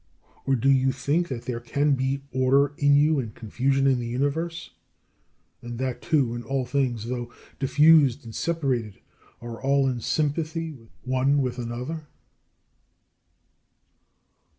Or, do you think that there can be order in you and confusion in the Universe, and that too when all things, though diffused and separated, are all in sympathy, one with another?